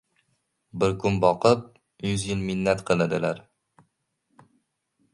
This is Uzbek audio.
• Bir kun boqib, yuz yil minnat qiladilar.